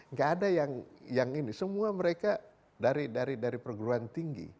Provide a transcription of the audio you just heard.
nggak ada yang ini semua mereka dari perguruan tinggi